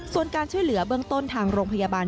ส่วนการช่วยเหลือเบื้องต้นทางโรงพยาบาล